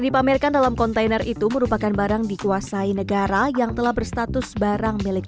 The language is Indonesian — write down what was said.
dipamerkan dalam kontainer itu merupakan barang dikuasai negara yang telah berstatus barang milik